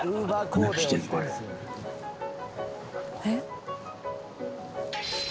えっ？